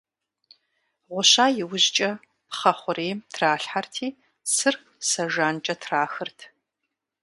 Гъуща иужькӀэ, пхъэ хъурейм тралъхьэрти, цыр сэ жанкӀэ трахырт.